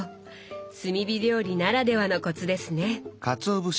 炭火料理ならではのコツですね。